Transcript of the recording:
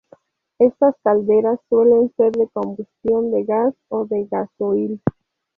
Estas calderas, suelen ser de combustión de gas o de gasoil.